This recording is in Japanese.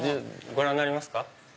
ご覧になりますか？